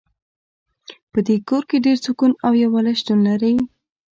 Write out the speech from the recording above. په دې کور کې ډېر سکون او یووالۍ شتون لری